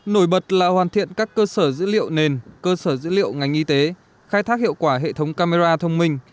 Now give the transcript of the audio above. nổi bật là hoàn thiện các cơ sở dữ liệu nền cơ sở dữ liệu ngành y tế khai thác hiệu quả hệ thống camera thông minh